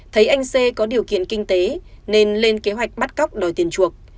thấy anh xê có điều kiện kinh tế nên lên kế hoạch bắt cóc đòi tiền chuộc